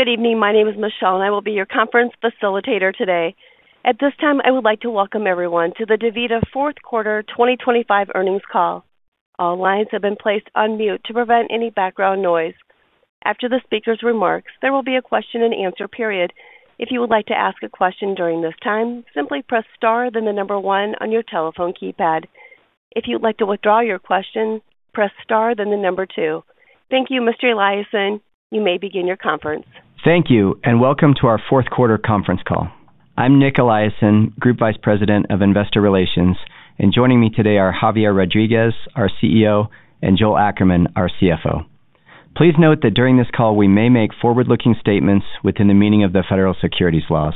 Good evening, my name is Michelle and I will be your conference facilitator today. At this time I would like to welcome everyone to the DaVita fourth quarter 2025 earnings call. All lines have been placed on mute to prevent any background noise. After the speaker's remarks, there will be a question and answer period. If you would like to ask a question during this time, simply press star then the number one on your telephone keypad. If you'd like to withdraw your question, press star then the number two. Thank you, Mr. Eliason, you may begin your conference. Thank you and welcome to our fourth quarter conference call. I'm Nic Eliason, Group Vice President of Investor Relations, and joining me today are Javier Rodriguez, our CEO, and Joel Ackerman, our CFO. Please note that during this call we may make forward-looking statements within the meaning of the federal securities laws.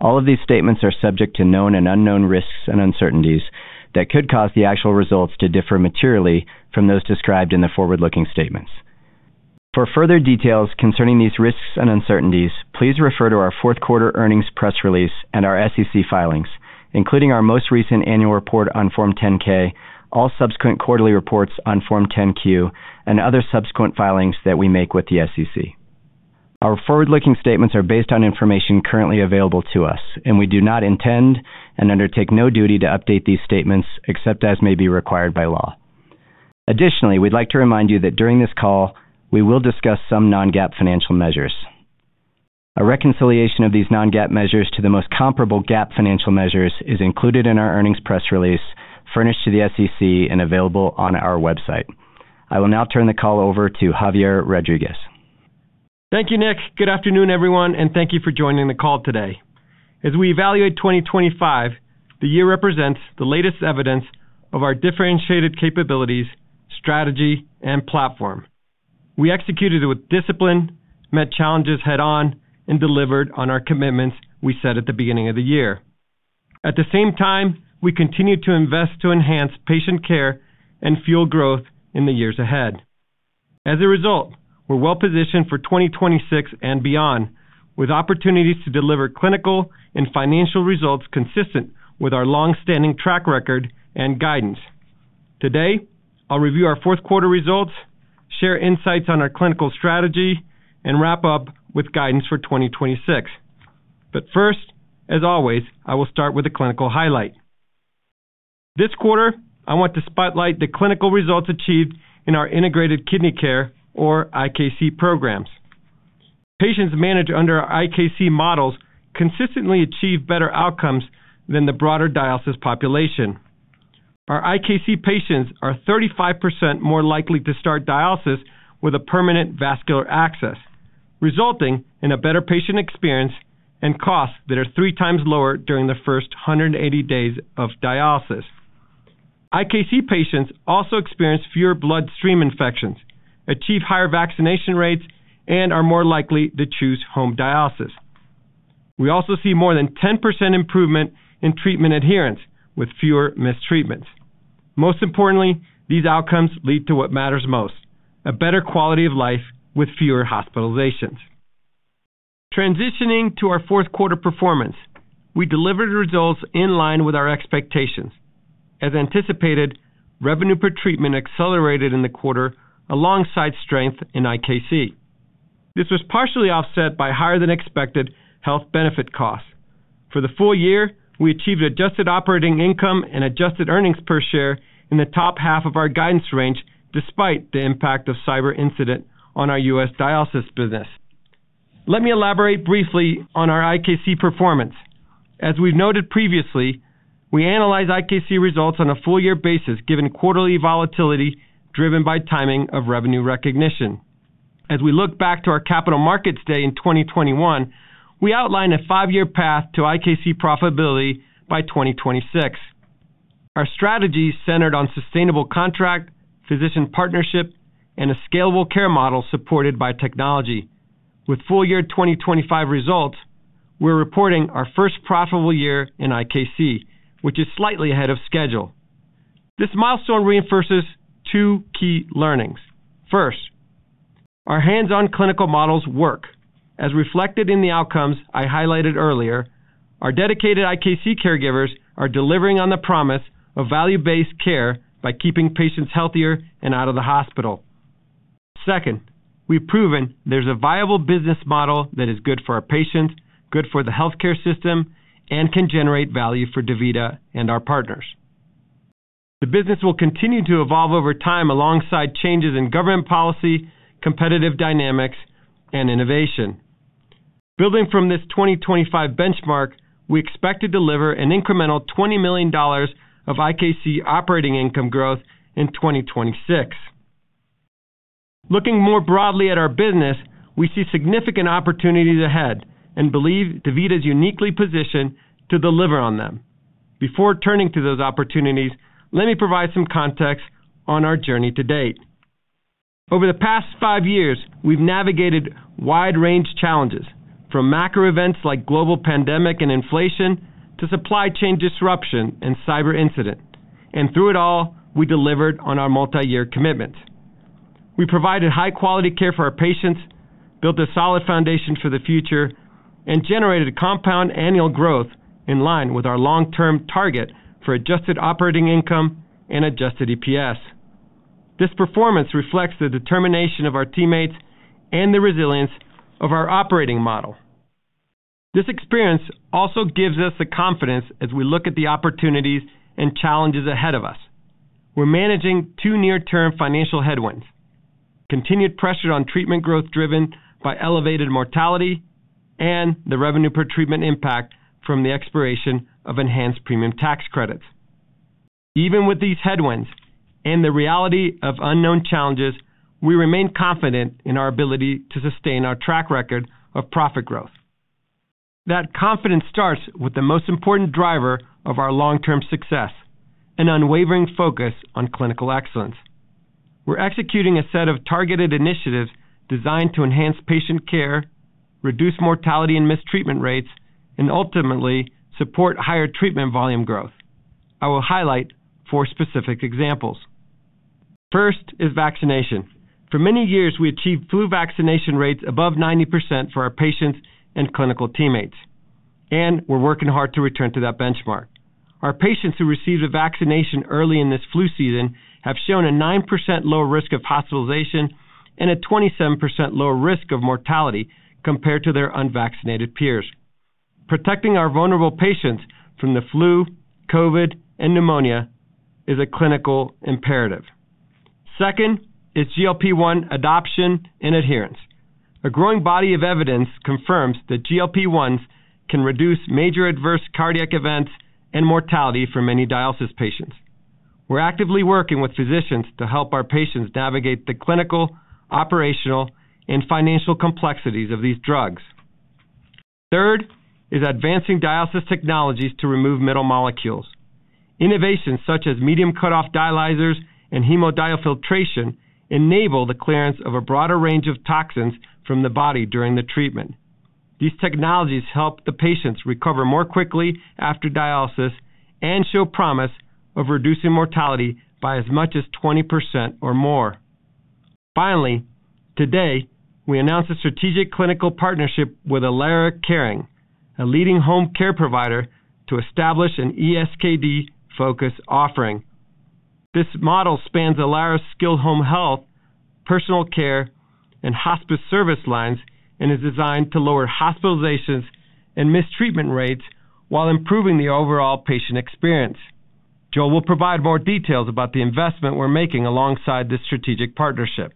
All of these statements are subject to known and unknown risks and uncertainties that could cause the actual results to differ materially from those described in the forward-looking statements. For further details concerning these risks and uncertainties, please refer to our fourth quarter earnings press release and our SEC filings, including our most recent annual report on Form 10-K, all subsequent quarterly reports on Form 10-Q, and other subsequent filings that we make with the SEC. Our forward-looking statements are based on information currently available to us, and we do not intend and undertake no duty to update these statements except as may be required by law. Additionally, we'd like to remind you that during this call we will discuss some non-GAAP financial measures. A reconciliation of these non-GAAP measures to the most comparable GAAP financial measures is included in our earnings press release, furnished to the SEC, and available on our website. I will now turn the call over to Javier Rodriguez. Thank you, Nic. Good afternoon, everyone, and thank you for joining the call today. As we evaluate 2025, the year represents the latest evidence of our differentiated capabilities, strategy, and platform. We executed it with discipline, met challenges head-on, and delivered on our commitments we set at the beginning of the year. At the same time, we continue to invest to enhance patient care and fuel growth in the years ahead. As a result, we're well-positioned for 2026 and beyond, with opportunities to deliver clinical and financial results consistent with our longstanding track record and guidance. Today, I'll review our fourth quarter results, share insights on our clinical strategy, and wrap up with guidance for 2026. But first, as always, I will start with a clinical highlight. This quarter, I want to spotlight the clinical results achieved in our Integrated Kidney Care, or IKC, programs. Patients managed under our IKC models consistently achieve better outcomes than the broader dialysis population. Our IKC patients are 35% more likely to start dialysis with a permanent vascular access, resulting in a better patient experience and costs that are 3x lower during the first 180 days of dialysis. IKC patients also experience fewer bloodstream infections, achieve higher vaccination rates, and are more likely to choose home dialysis. We also see more than 10% improvement in treatment adherence with fewer missed treatments. Most importantly, these outcomes lead to what matters most: a better quality of life with fewer hospitalizations. Transitioning to our fourth quarter performance, we delivered results in line with our expectations. As anticipated, revenue per treatment accelerated in the quarter alongside strength in IKC. This was partially offset by higher-than-expected health benefit costs. For the full year, we achieved adjusted operating income and adjusted earnings per share in the top half of our guidance range despite the impact of cyber incident on our U.S. dialysis business. Let me elaborate briefly on our IKC performance. As we've noted previously, we analyze IKC results on a full-year basis given quarterly volatility driven by timing of revenue recognition. As we look back to our Capital Markets Day in 2021, we outline a five-year path to IKC profitability by 2026. Our strategy is centered on sustainable contract, physician partnership, and a scalable care model supported by technology. With full-year 2025 results, we're reporting our first profitable year in IKC, which is slightly ahead of schedule. This milestone reinforces two key learnings. First, our hands-on clinical models work. As reflected in the outcomes I highlighted earlier, our dedicated IKC caregivers are delivering on the promise of value-based care by keeping patients healthier and out of the hospital. Second, we've proven there's a viable business model that is good for our patients, good for the healthcare system, and can generate value for DaVita and our partners. The business will continue to evolve over time alongside changes in government policy, competitive dynamics, and innovation. Building from this 2025 benchmark, we expect to deliver an incremental $20 million of IKC operating income growth in 2026. Looking more broadly at our business, we see significant opportunities ahead and believe DaVita's uniquely positioned to deliver on them. Before turning to those opportunities, let me provide some context on our journey to date. Over the past five years, we've navigated wide-range challenges, from macro events like global pandemic and inflation to supply chain disruption and cyber incident. And through it all, we delivered on our multi-year commitments. We provided high-quality care for our patients, built a solid foundation for the future, and generated compound annual growth in line with our long-term target for adjusted operating income and adjusted EPS. This performance reflects the determination of our teammates and the resilience of our operating model. This experience also gives us the confidence as we look at the opportunities and challenges ahead of us. We're managing two near-term financial headwinds: continued pressure on treatment growth driven by elevated mortality and the revenue per treatment impact from the expiration of enhanced premium tax credits. Even with these headwinds and the reality of unknown challenges, we remain confident in our ability to sustain our track record of profit growth. That confidence starts with the most important driver of our long-term success: an unwavering focus on clinical excellence. We're executing a set of targeted initiatives designed to enhance patient care, reduce mortality and missed treatments rates, and ultimately support higher treatment volume growth. I will highlight four specific examples. First is vaccination. For many years, we achieved flu vaccination rates above 90% for our patients and clinical teammates, and we're working hard to return to that benchmark. Our patients who received a vaccination early in this flu season have shown a 9% lower risk of hospitalization and a 27% lower risk of mortality compared to their unvaccinated peers. Protecting our vulnerable patients from the flu, COVID, and pneumonia is a clinical imperative. Second is GLP-1 adoption and adherence. A growing body of evidence confirms that GLP-1s can reduce major adverse cardiac events and mortality for many dialysis patients. We're actively working with physicians to help our patients navigate the clinical, operational, and financial complexities of these drugs. Third is advancing dialysis technologies to remove middle molecules. Innovations such as medium-cutoff dialyzers and hemodiafiltration enable the clearance of a broader range of toxins from the body during the treatment. These technologies help the patients recover more quickly after dialysis and show promise of reducing mortality by as much as 20% or more. Finally, today we announced a strategic clinical partnership with Elara Caring, a leading home care provider, to establish an ESKD-focused offering. This model spans Elara's skilled home health, personal care, and hospice service lines and is designed to lower hospitalizations and missed treatment rates while improving the overall patient experience. Joel will provide more details about the investment we're making alongside this strategic partnership.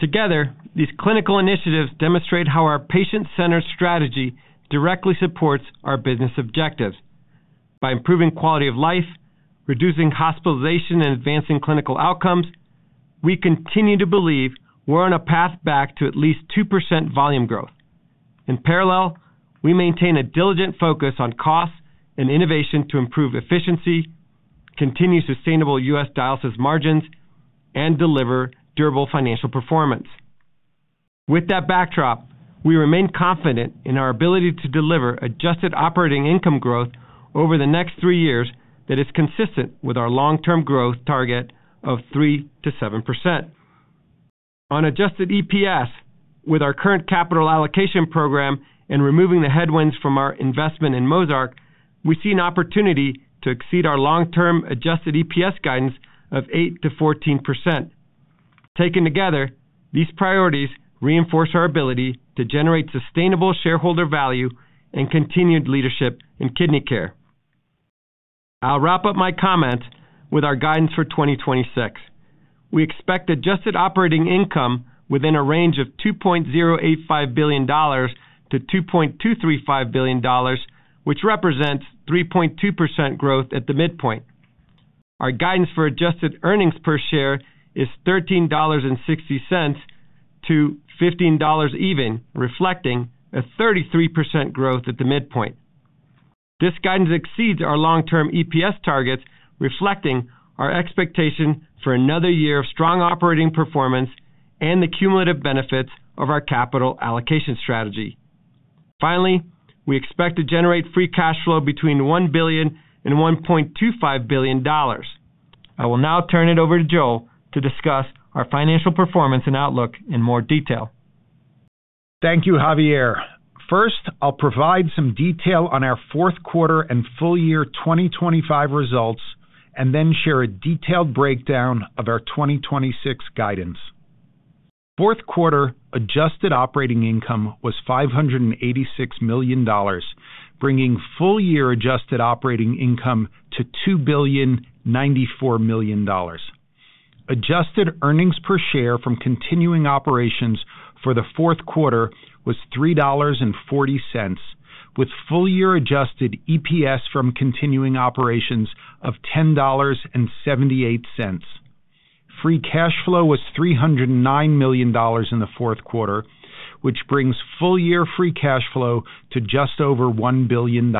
Together, these clinical initiatives demonstrate how our patient-centered strategy directly supports our business objectives. By improving quality of life, reducing hospitalization, and advancing clinical outcomes, we continue to believe we're on a path back to at least 2% volume growth. In parallel, we maintain a diligent focus on costs and innovation to improve efficiency, continue sustainable U.S. dialysis margins, and deliver durable financial performance. With that backdrop, we remain confident in our ability to deliver adjusted operating income growth over the next three years that is consistent with our long-term growth target of 3%-7%. On adjusted EPS, with our current capital allocation program and removing the headwinds from our investment in Mozarc, we see an opportunity to exceed our long-term adjusted EPS guidance of 8%-14%. Taken together, these priorities reinforce our ability to generate sustainable shareholder value and continued leadership in kidney care. I'll wrap up my comments with our guidance for 2026. We expect adjusted operating income within a range of $2.085 billion-$2.235 billion, which represents 3.2% growth at the midpoint. Our guidance for adjusted earnings per share is $13.60-$15.00 even, reflecting a 33% growth at the midpoint. This guidance exceeds our long-term EPS targets, reflecting our expectation for another year of strong operating performance and the cumulative benefits of our capital allocation strategy. Finally, we expect to generate free cash flow between $1 billion and $1.25 billion. I will now turn it over to Joel to discuss our financial performance and outlook in more detail. Thank you, Javier. First, I'll provide some detail on our fourth quarter and full-year 2025 results and then share a detailed breakdown of our 2026 guidance. Fourth quarter adjusted operating income was $586 million, bringing full-year adjusted operating income to $2.094 billion. Adjusted earnings per share from continuing operations for the fourth quarter was $3.40, with full-year adjusted EPS from continuing operations of $10.78. Free cash flow was $309 million in the fourth quarter, which brings full-year free cash flow to just over $1 billion.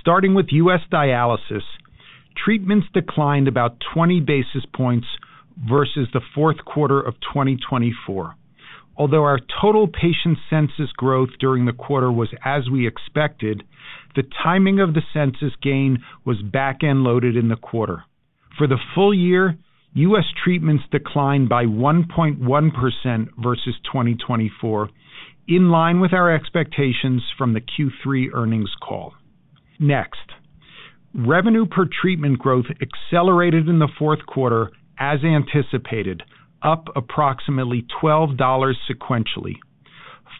Starting with U.S. dialysis, treatments declined about 20 basis points versus the fourth quarter of 2024. Although our total patient census growth during the quarter was as we expected, the timing of the census gain was back-end loaded in the quarter. For the full year, U.S. treatments declined by 1.1% versus 2024, in line with our expectations from the Q3 earnings call. Next, revenue per treatment growth accelerated in the fourth quarter, as anticipated, up approximately $12 sequentially.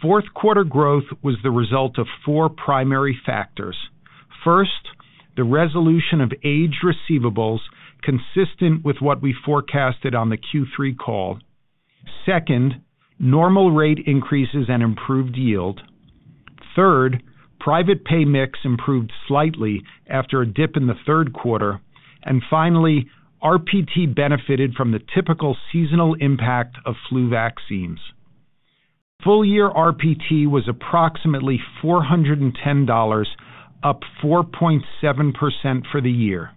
Fourth quarter growth was the result of four primary factors. First, the resolution of aged receivables consistent with what we forecasted on the Q3 call. Second, normal rate increases and improved yield. Third, private pay mix improved slightly after a dip in the third quarter. And finally, RPT benefited from the typical seasonal impact of flu vaccines. Full-year RPT was approximately $410, up 4.7% for the year.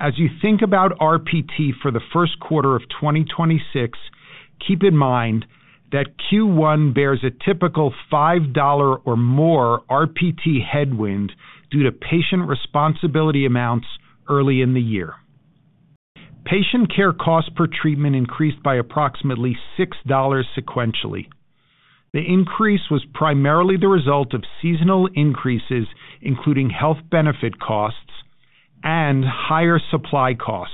As you think about RPT for the first quarter of 2026, keep in mind that Q1 bears a typical $5 or more RPT headwind due to patient responsibility amounts early in the year. Patient care costs per treatment increased by approximately $6 sequentially. The increase was primarily the result of seasonal increases, including health benefit costs and higher supply costs.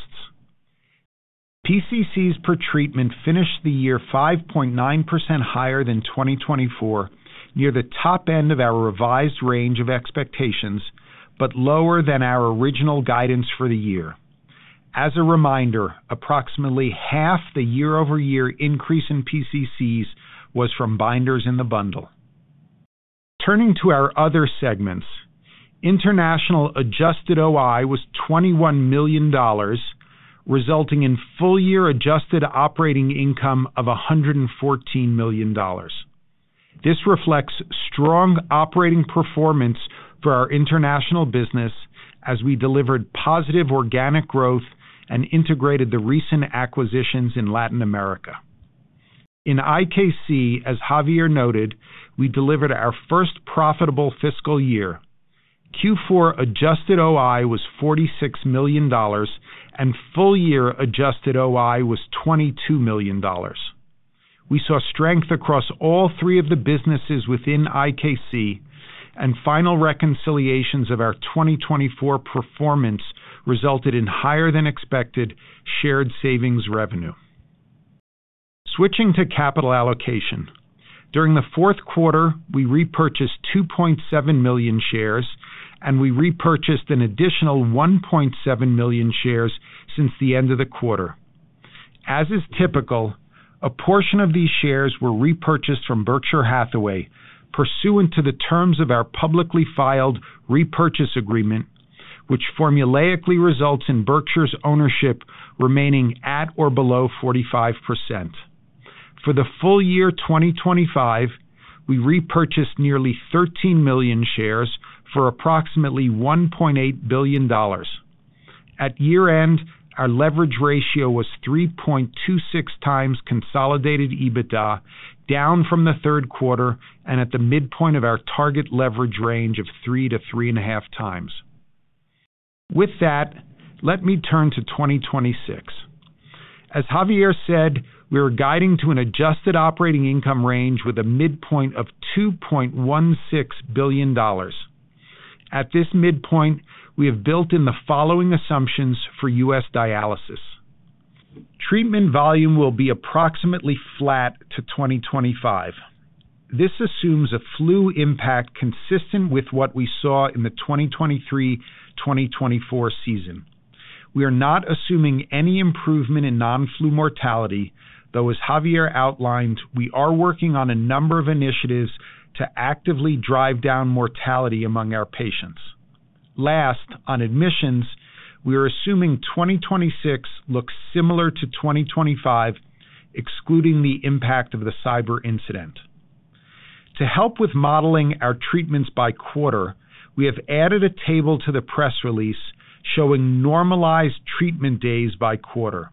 PCCs per treatment finished the year 5.9% higher than 2024, near the top end of our revised range of expectations, but lower than our original guidance for the year. As a reminder, approximately half the year-over-year increase in PCCs was from binders in the bundle. Turning to our other segments, international adjusted OI was $21 million, resulting in full-year adjusted operating income of $114 million. This reflects strong operating performance for our international business as we delivered positive organic growth and integrated the recent acquisitions in Latin America. In IKC, as Javier noted, we delivered our first profitable fiscal year. Q4 adjusted OI was $46 million, and full-year adjusted OI was $22 million. We saw strength across all three of the businesses within IKC, and final reconciliations of our 2024 performance resulted in higher-than-expected shared savings revenue. Switching to capital allocation, during the fourth quarter, we repurchased 2.7 million shares, and we repurchased an additional 1.7 million shares since the end of the quarter. As is typical, a portion of these shares were repurchased from Berkshire Hathaway pursuant to the terms of our publicly filed repurchase agreement, which formulaically results in Berkshire's ownership remaining at or below 45%. For the full year 2025, we repurchased nearly 13 million shares for approximately $1.8 billion. At year-end, our leverage ratio was 3.26x consolidated EBITDA, down from the third quarter and at the midpoint of our target leverage range of 3x-3.5x. With that, let me turn to 2026. As Javier said, we are guiding to an adjusted operating income range with a midpoint of $2.16 billion. At this midpoint, we have built in the following assumptions for U.S. dialysis. Treatment volume will be approximately flat to 2025. This assumes a flu impact consistent with what we saw in the 2023-2024 season. We are not assuming any improvement in non-flu mortality, though, as Javier outlined, we are working on a number of initiatives to actively drive down mortality among our patients. Last, on admissions, we are assuming 2026 looks similar to 2025, excluding the impact of the cyber incident. To help with modeling our treatments by quarter, we have added a table to the press release showing normalized treatment days by quarter.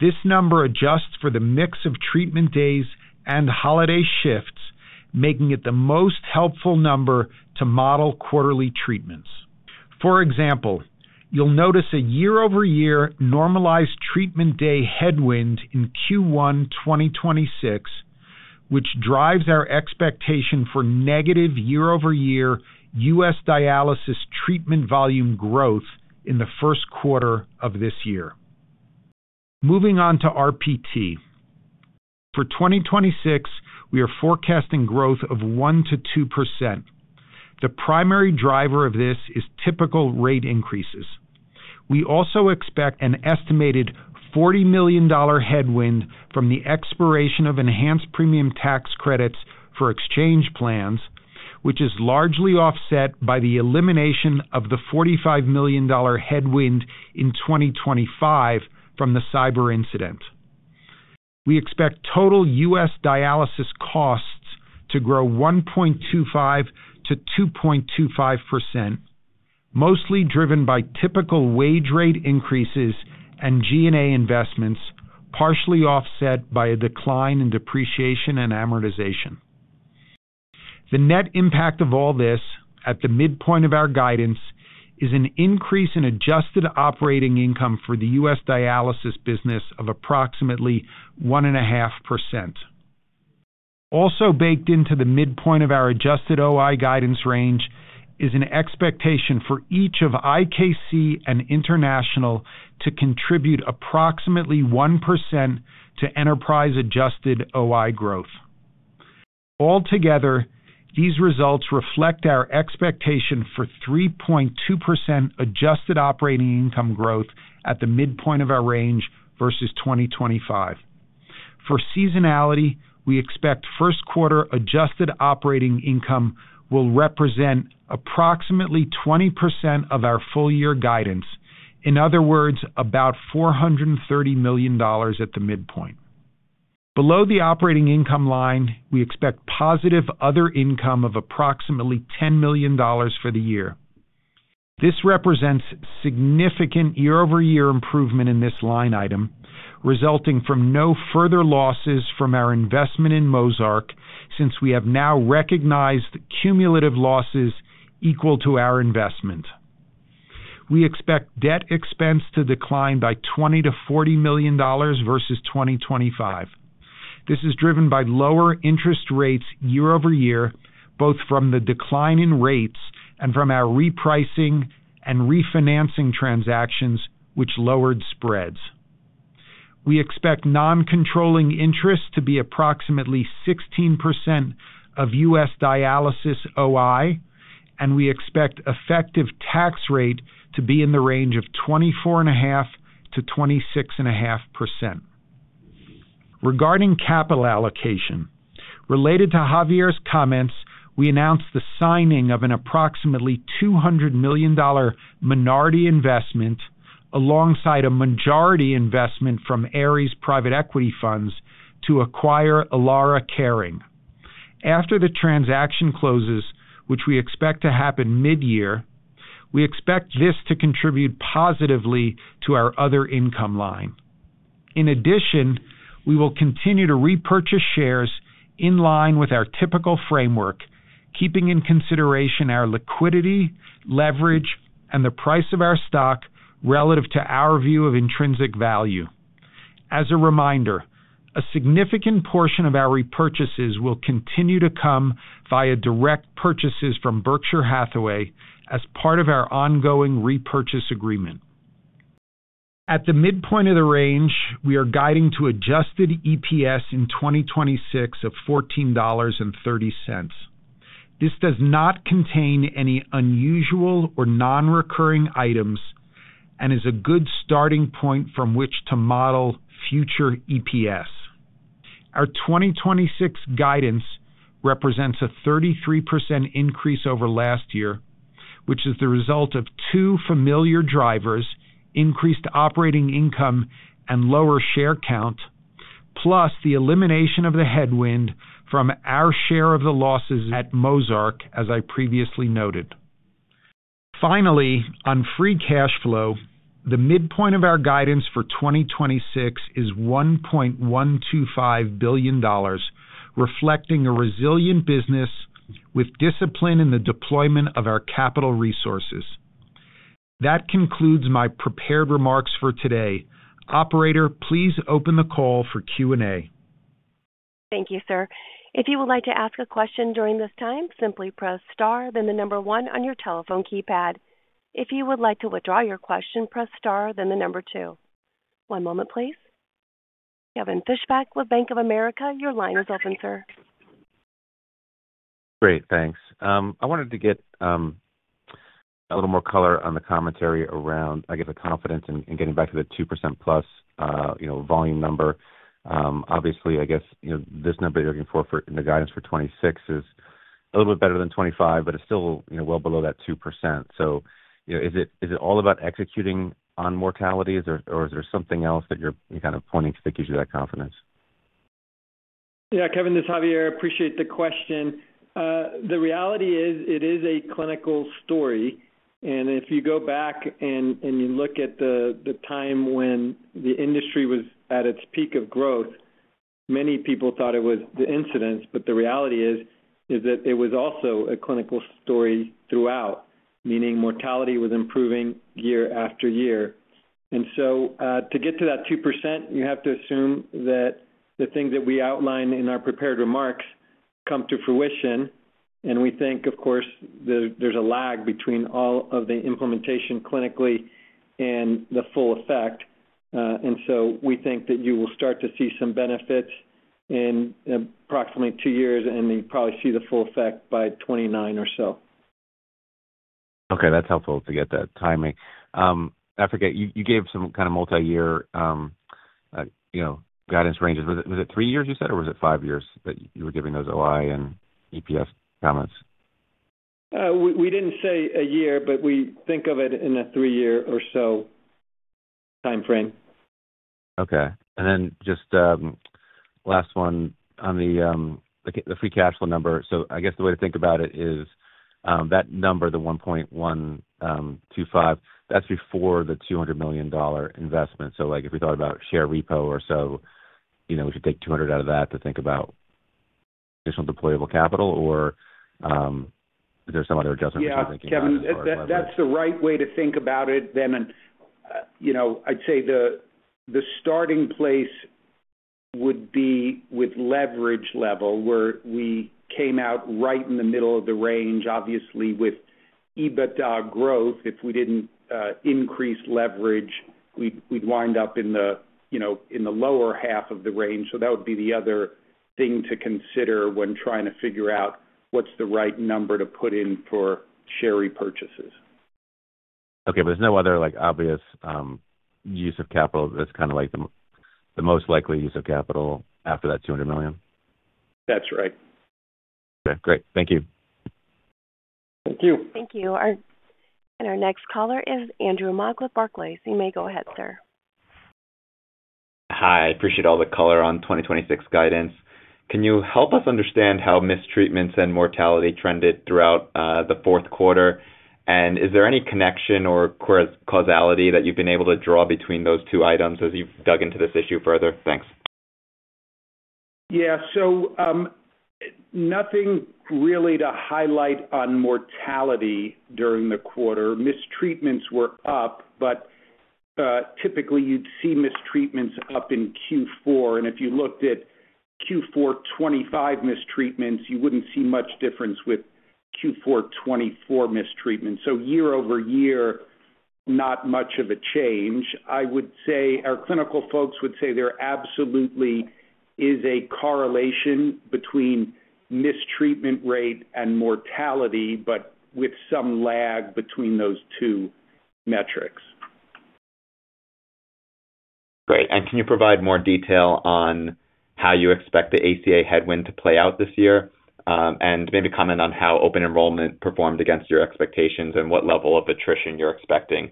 This number adjusts for the mix of treatment days and holiday shifts, making it the most helpful number to model quarterly treatments. For example, you'll notice a year-over-year normalized treatment day headwind in Q1 2026, which drives our expectation for negative year-over-year U.S. dialysis treatment volume growth in the first quarter of this year. Moving on to RPT. For 2026, we are forecasting growth of 1%-2%. The primary driver of this is typical rate increases. We also expect an estimated $40 million headwind from the expiration of enhanced premium tax credits for exchange plans, which is largely offset by the elimination of the $45 million headwind in 2025 from the cyber incident. We expect total U.S. dialysis costs to grow 1.25%-2.25%, mostly driven by typical wage rate increases and G&A investments, partially offset by a decline in depreciation and amortization. The net impact of all this, at the midpoint of our guidance, is an increase in adjusted operating income for the U.S. dialysis business of approximately 1.5%. Also baked into the midpoint of our adjusted OI guidance range is an expectation for each of IKC and international to contribute approximately 1% to enterprise-adjusted OI growth. Altogether, these results reflect our expectation for 3.2% adjusted operating income growth at the midpoint of our range versus 2025. For seasonality, we expect first quarter adjusted operating income will represent approximately 20% of our full-year guidance. In other words, about $430 million at the midpoint. Below the operating income line, we expect positive other income of approximately $10 million for the year. This represents significant year-over-year improvement in this line item, resulting from no further losses from our investment in Mozarc since we have now recognized cumulative losses equal to our investment. We expect debt expense to decline by $20 million-$40 million versus 2025. This is driven by lower interest rates year-over-year, both from the decline in rates and from our repricing and refinancing transactions, which lowered spreads. We expect non-controlling interest to be approximately 16% of U.S. dialysis OI, and we expect effective tax rate to be in the range of 24.5%-26.5%. Regarding capital allocation, related to Javier's comments, we announced the signing of an approximately $200 million minority investment alongside a majority investment from Ares Private Equity Funds to acquire Elara Caring. After the transaction closes, which we expect to happen mid-year, we expect this to contribute positively to our other income line. In addition, we will continue to repurchase shares in line with our typical framework, keeping in consideration our liquidity, leverage, and the price of our stock relative to our view of intrinsic value. As a reminder, a significant portion of our repurchases will continue to come via direct purchases from Berkshire Hathaway as part of our ongoing repurchase agreement. At the midpoint of the range, we are guiding to adjusted EPS in 2026 of $14.30. This does not contain any unusual or non-recurring items and is a good starting point from which to model future EPS. Our 2026 guidance represents a 33% increase over last year, which is the result of two familiar drivers: increased operating income and lower share count, plus the elimination of the headwind from our share of the losses at Mozarc, as I previously noted. Finally, on free cash flow, the midpoint of our guidance for 2026 is $1.125 billion, reflecting a resilient business with discipline in the deployment of our capital resources. That concludes my prepared remarks for today. Operator, please open the call for Q&A. Thank you, sir. If you would like to ask a question during this time, simply press star, then the number one on your telephone keypad. If you would like to withdraw your question, press star, then the number two. One moment, please. Kevin Fischbeck with Bank of America. Your line is open, sir. Great. Thanks. I wanted to get a little more color on the commentary around, I guess, the confidence in getting back to the 2%+ volume number. Obviously, I guess this number that you're looking for in the guidance for 2026 is a little bit better than 2025, but it's still well below that 2%. So is it all about executing on mortalities, or is there something else that you're kind of pointing to that gives you that confidence? Yeah, Kevin, this is Javier. I appreciate the question. The reality is it is a clinical story. If you go back and you look at the time when the industry was at its peak of growth, many people thought it was the incidents. But the reality is that it was also a clinical story throughout, meaning mortality was improving year after year. To get to that 2%, you have to assume that the things that we outline in our prepared remarks come to fruition. We think, of course, there's a lag between all of the implementation clinically and the full effect. We think that you will start to see some benefits in approximately two years, and you'd probably see the full effect by 2029 or so. Okay. That's helpful to get that timing. I forget. You gave some kind of multi-year guidance ranges. Was it three years, you said, or was it five years that you were giving those OI and EPS comments? We didn't say a year, but we think of it in a three-year or so timeframe. Okay. And then just last one on the free cash flow number. So I guess the way to think about it is that number, the $1.125 billion that's before the $200 million investment. So if we thought about share repo or so, we should take $200 million out of that to think about additional deployable capital, or is there some other adjustment that you're thinking about? Yeah, Kevin, that's the right way to think about it then. And I'd say the starting place would be with leverage level, where we came out right in the middle of the range, obviously, with EBITDA growth. If we didn't increase leverage, we'd wind up in the lower half of the range. So that would be the other thing to consider when trying to figure out what's the right number to put in for share repurchases. Okay. But there's no other obvious use of capital that's kind of the most likely use of capital after that $200 million? That's right. Okay. Great. Thank you. Thank you. Thank you. Our next caller is Andrew Mok, Barclays. You may go ahead, sir. Hi. I appreciate all the color on 2026 guidance. Can you help us understand how missed treatments and mortality trended throughout the fourth quarter? And is there any connection or causality that you've been able to draw between those two items as you've dug into this issue further? Thanks. Yeah. Nothing really to highlight on mortality during the quarter. Mistreatments were up, but typically, you'd see missed treatments up in Q4. If you looked at Q4 2025 missed treatments, you wouldn't see much difference with Q4 2024 missed treatments. Year over year, not much of a change. Our clinical folks would say there absolutely is a correlation between missed treatment rate and mortality, but with some lag between those two metrics. Great. And can you provide more detail on how you expect the ACA headwind to play out this year and maybe comment on how open enrollment performed against your expectations and what level of attrition you're expecting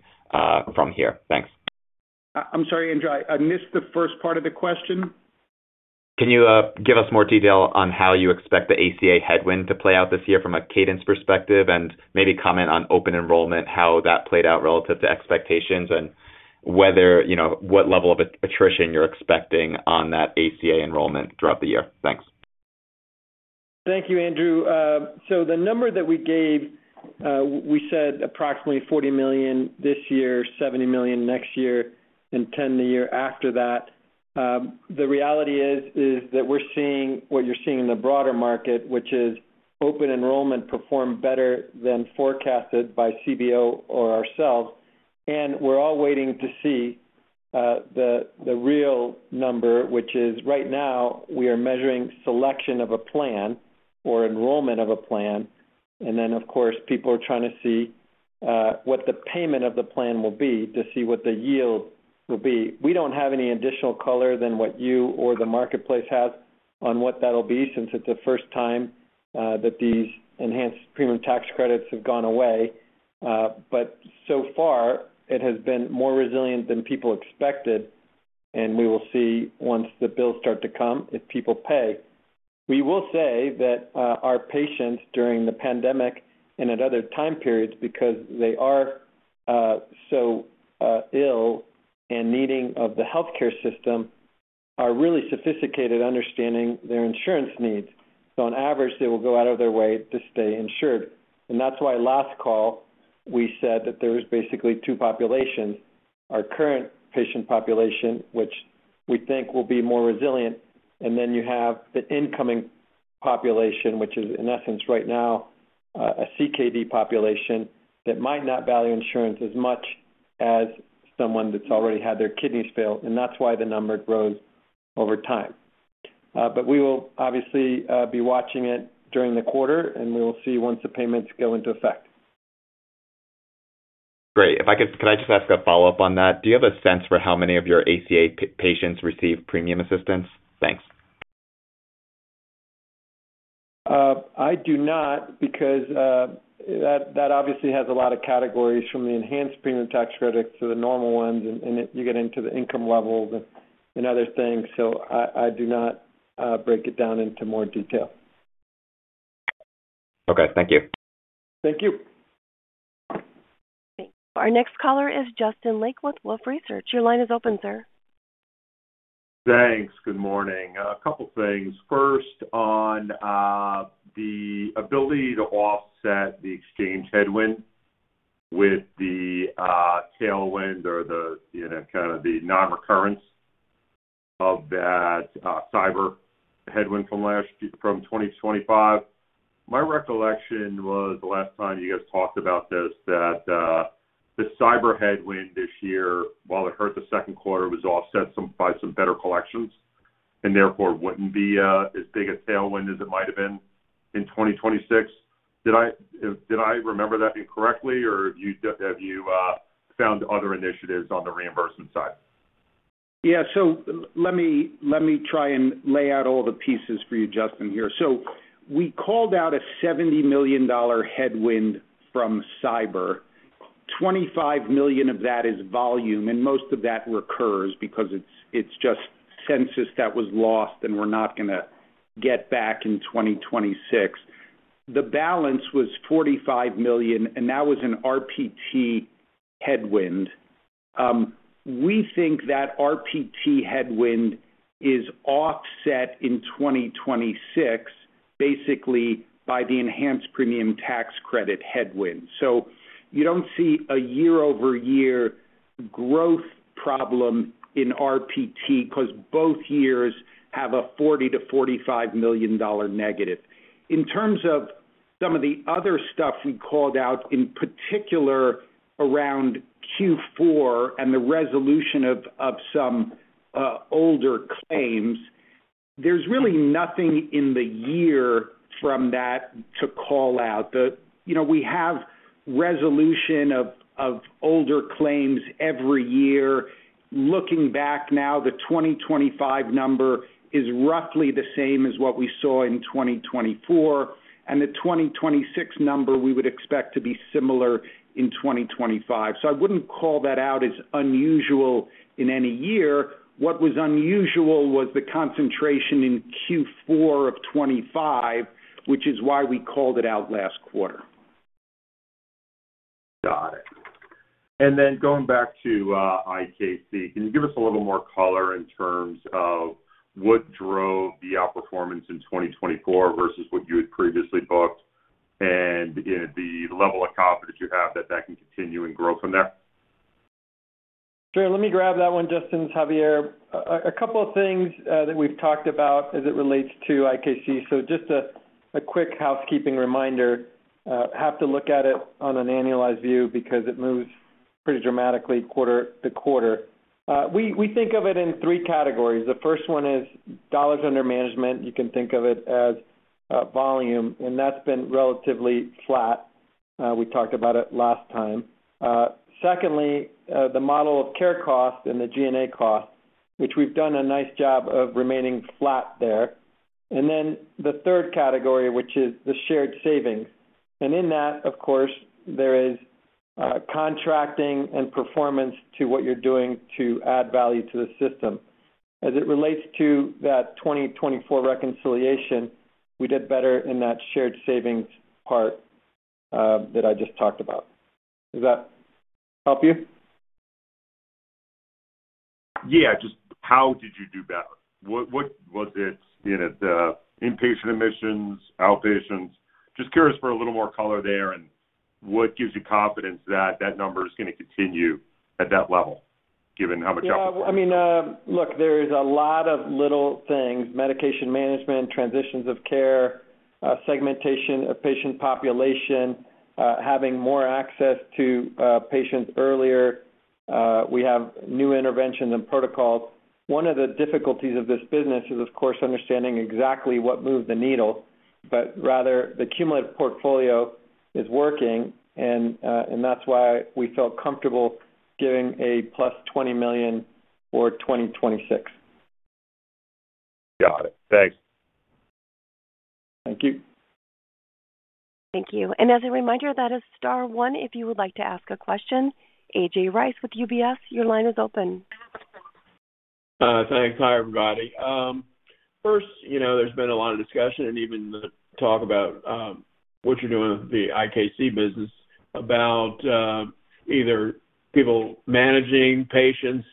from here? Thanks. I'm sorry, Andrew. I missed the first part of the question. Can you give us more detail on how you expect the ACA headwind to play out this year from a cadence perspective and maybe comment on open enrollment, how that played out relative to expectations, and what level of attrition you're expecting on that ACA enrollment throughout the year? Thanks. Thank you, Andrew. So the number that we gave, we said approximately 40 million this year, 70 million next year, and 10 million the year after that. The reality is that we're seeing what you're seeing in the broader market, which is open enrollment perform better than forecasted by CBO or ourselves. And we're all waiting to see the real number, which is right now, we are measuring selection of a plan or enrollment of a plan. And then, of course, people are trying to see what the payment of the plan will be to see what the yield will be. We don't have any additional color than what you or the marketplace has on what that'll be since it's the first time that these enhanced premium tax credits have gone away. But so far, it has been more resilient than people expected. We will see once the bills start to come if people pay. We will say that our patients during the pandemic and at other time periods, because they are so ill and needing of the healthcare system, are really sophisticated understanding their insurance needs. So on average, they will go out of their way to stay insured. And that's why last call, we said that there was basically two populations: our current patient population, which we think will be more resilient, and then you have the incoming population, which is, in essence, right now, a CKD population that might not value insurance as much as someone that's already had their kidneys fail. And that's why the number grows over time. But we will obviously be watching it during the quarter, and we will see once the payments go into effect. Great. Can I just ask a follow-up on that? Do you have a sense for how many of your ACA patients receive premium assistance? Thanks. I do not because that obviously has a lot of categories from the enhanced premium tax credits to the normal ones. You get into the income levels and other things. I do not break it down into more detail. Okay. Thank you. Thank you. Thank you. Our next caller is Justin Lake with Wolfe Research. Your line is open, sir. Thanks. Good morning. A couple of things. First, on the ability to offset the exchange headwind with the tailwind or kind of the non-recurrence of that cyber headwind from 2025. My recollection was the last time you guys talked about this, that the cyber headwind this year, while it hurt the second quarter, was offset by some better collections and therefore wouldn't be as big a tailwind as it might have been in 2026. Did I remember that incorrectly, or have you found other initiatives on the reimbursement side? Yeah. So let me try and lay out all the pieces for you, Justin, here. So we called out a $70 million headwind from cyber, $25 million of that is volume, and most of that recurs because it's just census that was lost, and we're not going to get back in 2026. The balance was $45 million, and that was an RPT headwind. We think that RPT headwind is offset in 2026 basically by the enhanced premium tax credit headwind. So you don't see a year-over-year growth problem in RPT because both years have a $40 million-$45 million negative. In terms of some of the other stuff we called out, in particular around Q4 and the resolution of some older claims, there's really nothing in the year from that to call out. We have resolution of older claims every year. Looking back now, the 2025 number is roughly the same as what we saw in 2024. The 2026 number, we would expect to be similar in 2025. I wouldn't call that out as unusual in any year. What was unusual was the concentration in Q4 of 2025, which is why we called it out last quarter. Got it. Then going back to IKC, can you give us a little more color in terms of what drove the outperformance in 2024 versus what you had previously booked and the level of confidence you have that that can continue and grow from there? Sure. Let me grab that one, Justin, Javier. A couple of things that we've talked about as it relates to IKC. So just a quick housekeeping reminder: have to look at it on an annualized view because it moves pretty dramatically quarter to quarter. We think of it in three categories. The first one is dollars under management. You can think of it as volume. And that's been relatively flat. We talked about it last time. Secondly, the model of care cost and the G&A cost, which we've done a nice job of remaining flat there. And then the third category, which is the shared savings. And in that, of course, there is contracting and performance to what you're doing to add value to the system. As it relates to that 2024 reconciliation, we did better in that shared savings part that I just talked about. Does that help you? Yeah. Just how did you do better? Was it inpatient admissions, outpatients? Just curious for a little more color there and what gives you confidence that that number is going to continue at that level given how much outperformance? Yeah. I mean, look, there is a lot of little things: medication management, transitions of care, segmentation of patient population, having more access to patients earlier. We have new interventions and protocols. One of the difficulties of this business is, of course, understanding exactly what moved the needle. But rather, the cumulative portfolio is working, and that's why we felt comfortable giving a +$20 million for 2026. Got it. Thanks. Thank you. Thank you. As a reminder, that is star one if you would like to ask a question. A.J. Rice with UBS. Your line is open. Thanks. Hi, everybody. First, there's been a lot of discussion and even the talk about what you're doing with the IKC business about either people managing patients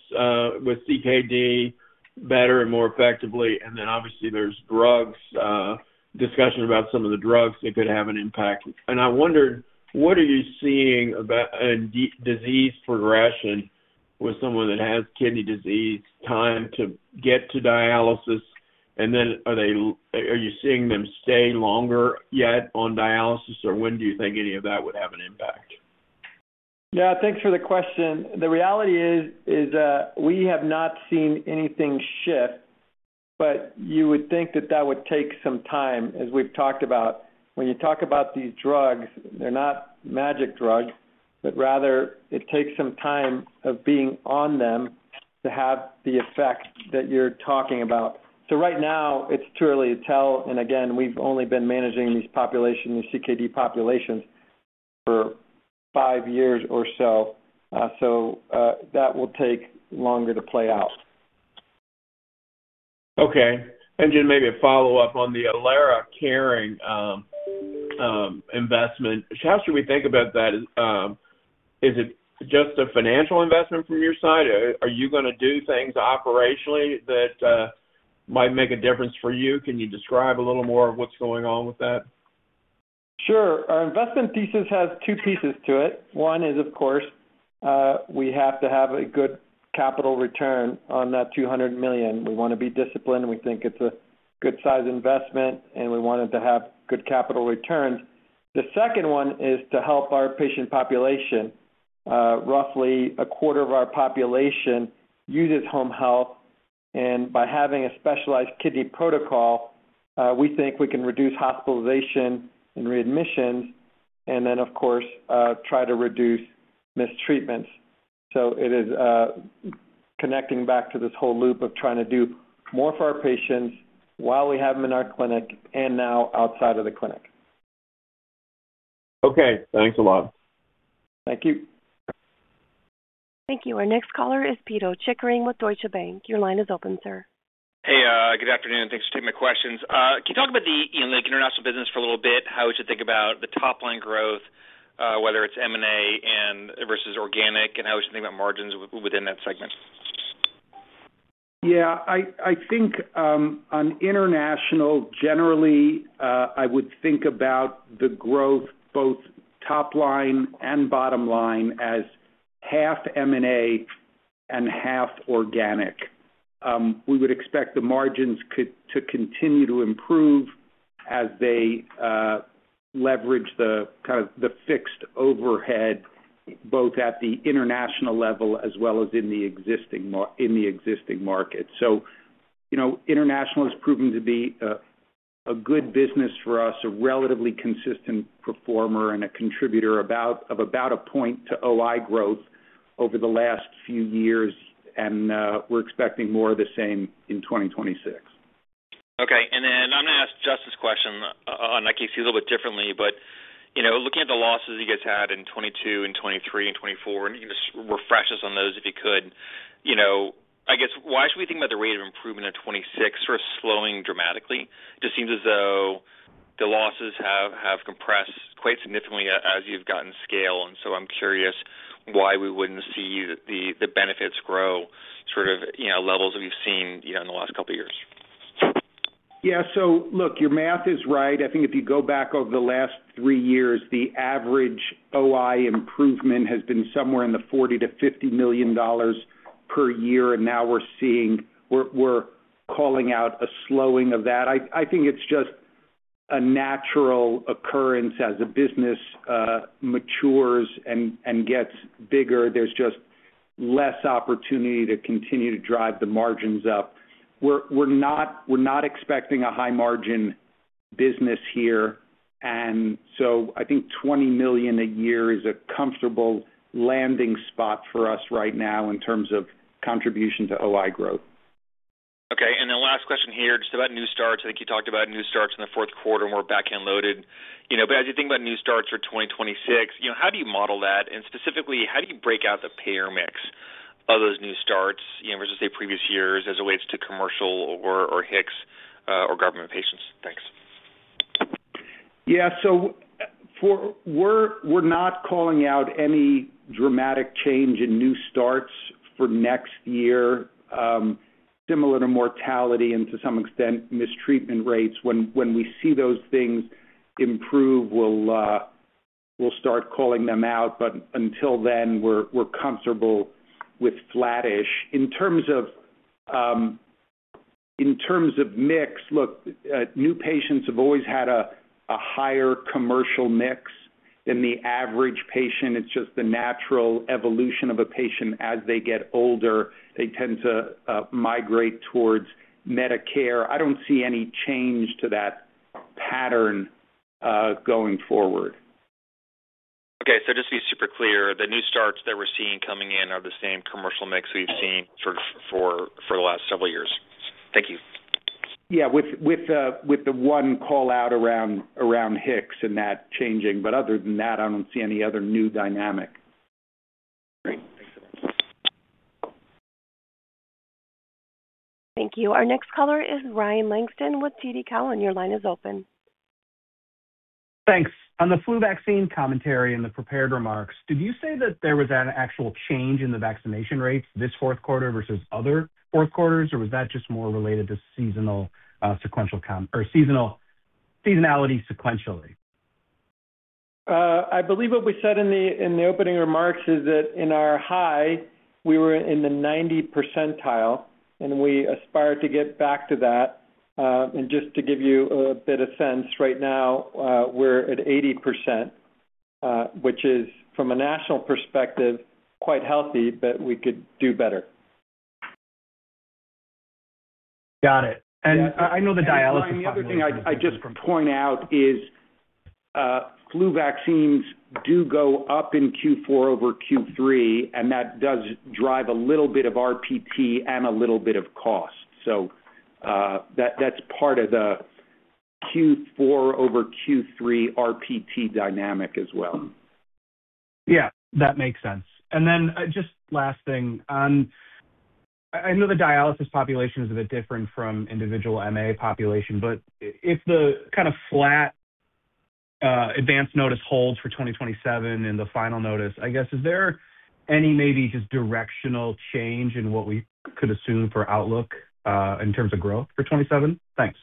with CKD better and more effectively. And then obviously, there's discussion about some of the drugs that could have an impact. And I wondered, what are you seeing in disease progression with someone that has kidney disease, time to get to dialysis, and then are you seeing them stay longer yet on dialysis, or when do you think any of that would have an impact? Yeah. Thanks for the question. The reality is we have not seen anything shift, but you would think that that would take some time, as we've talked about. When you talk about these drugs, they're not magic drugs, but rather, it takes some time of being on them to have the effect that you're talking about. So right now, it's too early to tell. And again, we've only been managing these CKD populations for five years or so. So that will take longer to play out. Okay. Just maybe a follow-up on the Elara Caring investment. How should we think about that? Is it just a financial investment from your side? Are you going to do things operationally that might make a difference for you? Can you describe a little more of what's going on with that? Sure. Our investment thesis has two pieces to it. One is, of course, we have to have a good capital return on that $200 million. We want to be disciplined. We think it's a good-sized investment, and we want it to have good capital returns. The second one is to help our patient population. Roughly a quarter of our population uses home health. And by having a specialized kidney protocol, we think we can reduce hospitalization and readmissions and then, of course, try to reduce missed treatments. So it is connecting back to this whole loop of trying to do more for our patients while we have them in our clinic and now outside of the clinic. Okay. Thanks a lot. Thank you. Thank you. Our next caller is Peter Chickering with Deutsche Bank. Your line is open, sir. Hey. Good afternoon. Thanks for taking my questions. Can you talk about the international business for a little bit, how you should think about the top-line growth, whether it's M&A versus organic, and how you should think about margins within that segment? Yeah. I think on international, generally, I would think about the growth both top-line and bottom-line as half M&A and half organic. We would expect the margins to continue to improve as they leverage kind of the fixed overhead both at the international level as well as in the existing market. So international has proven to be a good business for us, a relatively consistent performer, and a contributor of about a point to OI growth over the last few years. And we're expecting more of the same in 2026. Okay. And then I'm going to ask Justin's question on IKC a little bit differently. But looking at the losses you guys had in 2022 and 2023 and 2024, and just refresh us on those if you could, I guess, why should we think about the rate of improvement in 2026 sort of slowing dramatically? It just seems as though the losses have compressed quite significantly as you've gotten scale. And so I'm curious why we wouldn't see the benefits grow sort of levels that we've seen in the last couple of years. Yeah. So look, your math is right. I think if you go back over the last three years, the average OI improvement has been somewhere in the $40 million-$50 million per year. Now we're calling out a slowing of that. I think it's just a natural occurrence as a business matures and gets bigger. There's just less opportunity to continue to drive the margins up. We're not expecting a high-margin business here. So I think $20 million a year is a comfortable landing spot for us right now in terms of contribution to OI growth. Okay. And then last question here, just about new starts. I think you talked about new starts in the fourth quarter and we're back-end loaded. But as you think about new starts for 2026, how do you model that? And specifically, how do you break out the payer mix of those new starts versus, say, previous years as it relates to commercial or HIX or government patients? Thanks. Yeah. So we're not calling out any dramatic change in new starts for next year, similar to mortality and to some extent missed treatment rates. When we see those things improve, we'll start calling them out. But until then, we're comfortable with flattish. In terms of mix, look, new patients have always had a higher commercial mix than the average patient. It's just the natural evolution of a patient as they get older. They tend to migrate towards Medicare. I don't see any change to that pattern going forward. Okay. So just to be super clear, the new starts that we're seeing coming in are the same commercial mix we've seen sort of for the last several years. Thank you. Yeah. With the one callout around HIX and that changing. But other than that, I don't see any other new dynamic. Great. Thanks so much. Thank you. Our next caller is Ryan Langston with TD Cowen. Your line is open. Thanks. On the flu vaccine commentary and the prepared remarks, did you say that there was an actual change in the vaccination rates this fourth quarter versus other fourth quarters, or was that just more related to seasonal or seasonality sequentially? I believe what we said in the opening remarks is that in our high, we were in the 90th percentile, and we aspired to get back to that. Just to give you a bit of sense, right now, we're at 80%, which is, from a national perspective, quite healthy, but we could do better. Got it. I know the dialysis department. Yeah. The only other thing I'd just point out is flu vaccines do go up in Q4 over Q3, and that does drive a little bit of RPT and a little bit of cost. So that's part of the Q4 over Q3 RPT dynamic as well. Yeah. That makes sense. And then just last thing. I know the dialysis population is a bit different from individual MA population, but if the kind of flat advance notice holds for 2027 and the final notice, I guess, is there any maybe just directional change in what we could assume for outlook in terms of growth for 2027? Thanks.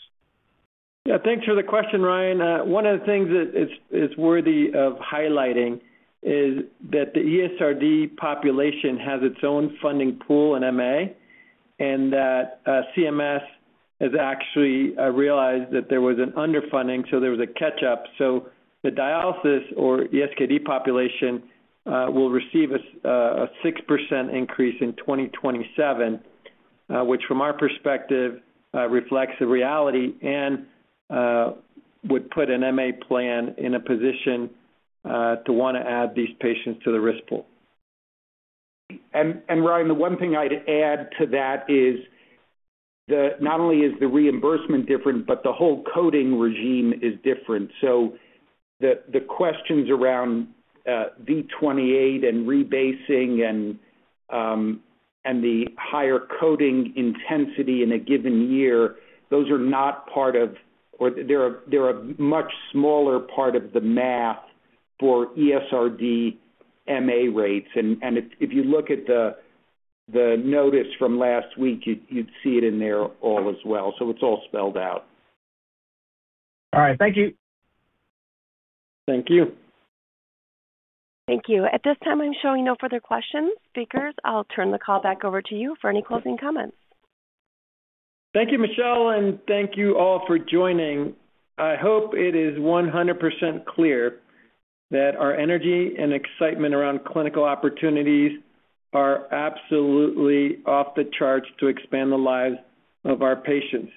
Yeah. Thanks for the question, Ryan. One of the things that it's worthy of highlighting is that the ESRD population has its own funding pool in MA and that CMS has actually realized that there was an underfunding, so there was a catch-up. So the dialysis or ESKD population will receive a 6% increase in 2027, which, from our perspective, reflects the reality and would put an MA plan in a position to want to add these patients to the risk pool. Ryan, the one thing I'd add to that is not only is the reimbursement different, but the whole coding regime is different. So the questions around V28 and rebasing and the higher coding intensity in a given year, those are not part of or they're a much smaller part of the math for ESRD MA rates. And if you look at the notice from last week, you'd see it in there all as well. So it's all spelled out. All right. Thank you. Thank you. Thank you. At this time, I'm showing no further questions, speakers. I'll turn the call back over to you for any closing comments. Thank you, Michelle, and thank you all for joining. I hope it is 100% clear that our energy and excitement around clinical opportunities are absolutely off the charts to expand the lives of our patients.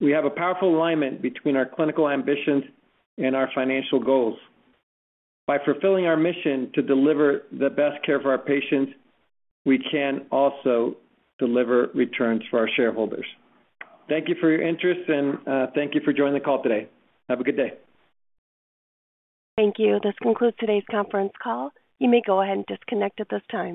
We have a powerful alignment between our clinical ambitions and our financial goals. By fulfilling our mission to deliver the best care for our patients, we can also deliver returns for our shareholders. Thank you for your interest, and thank you for joining the call today. Have a good day. Thank you. This concludes today's conference call. You may go ahead and disconnect at this time.